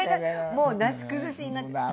もうなし崩しになっちゃって。